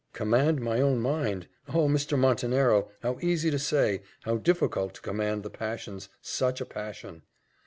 "Command my own mind! Oh! Mr. Montenero, how easy to say how difficult to command the passions such a passion!"